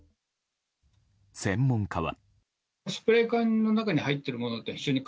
専門家は。